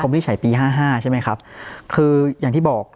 วินิจฉัยปี๕๕ใช่ไหมครับคืออย่างที่บอก